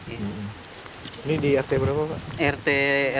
ini di rt berapa pak rt